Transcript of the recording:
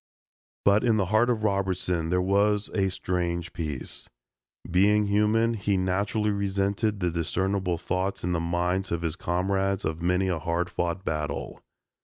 But in the heart of Robertson there was a strange peace. Being human, he naturally resented the discernible thoughts in the minds of his comrades of many a hard fought battle.